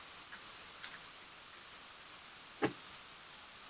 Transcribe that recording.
大定二十九年三月竣工。